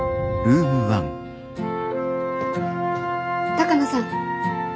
鷹野さん。